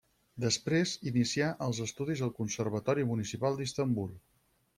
Després inicià els estudis al Conservatori Municipal d'Istanbul.